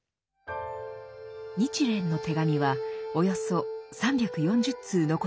「日蓮の手紙」はおよそ３４０通残されています。